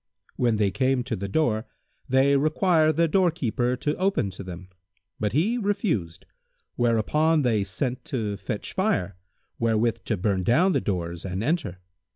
When they came to the door, they required the doorkeeper to open to them; but he refused, whereupon they sent to fetch fire, wherewith to burn down the doors and enter.